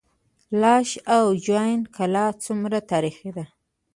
لاش او جوین کلا څومره تاریخي ده؟